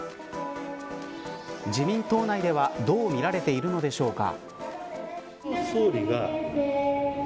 自民党内ではどう見られているのでしょうか。